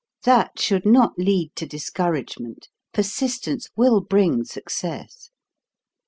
That should not lead to discouragement; persistence will bring success.